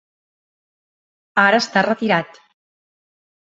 Ara està retirat.